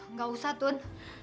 nggak usah tun